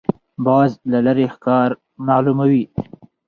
باز له لرې ښکار معلوموي